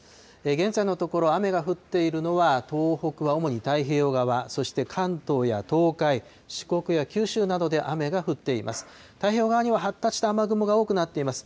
現在のところ、雨が降っているのは、東北は主に太平洋側、そして関東や東海、四国や九州などで雨が降っています。